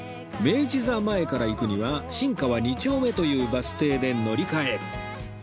明治座前から行くには新川二丁目というバス停で乗り換え